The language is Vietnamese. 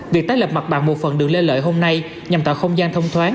việc tái lập mặt bằng một phần đường lê lợi hôm nay nhằm tạo không gian thông thoáng